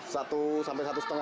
satu sampai satu setengah